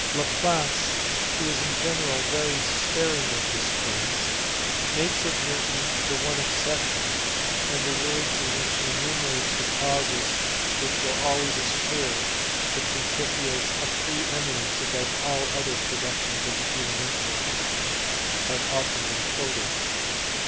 Laplace, who is in general very sparing of his praise, makes of Newton the one exception, and the words in which he enumerates the causes which "will always assure to the Principia a pre eminence above all the other pro ductions of the human intellect" have been often quoted.